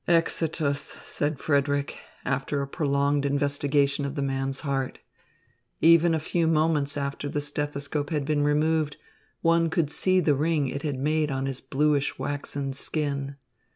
"Exitus," said Frederick, after a prolonged investigation of the man's heart. Even a few moments after the stethoscope had been removed, one could see the ring it made on his bluish, waxen skin.